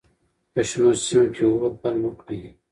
په شنو سیمو کې اور مه بل کړئ.